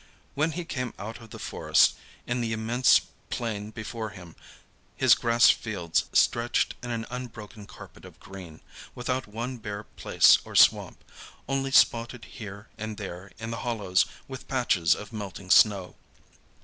When he came out of the forest, in the immense plain before him, his grass fields stretched in an unbroken carpet of green, without one bare place or swamp, only spotted here and there in the hollows with patches of melting snow.